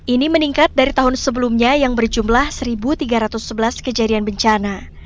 ini meningkat dari tahun sebelumnya yang berjumlah satu tiga ratus sebelas kejadian bencana